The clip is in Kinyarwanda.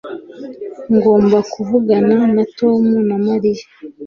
ngomba kuvugana na tom na mariya